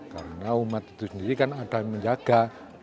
karena umat itu sendiri kan ada yang menjaga